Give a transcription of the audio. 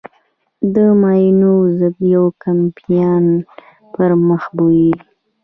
د ماينونو ضد يو کمپاين پر مخ بېوه.